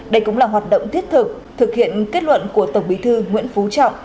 đây cũng là hoạt động thiết thực thực hiện kết luận của tổng bí thư nguyễn phú trọng